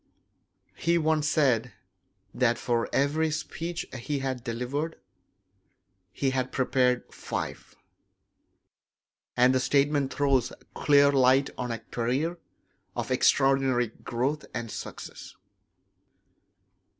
He once said that for every speech he had delivered he had prepared five; and the statement throws clear light on a career of extraordinary growth and success.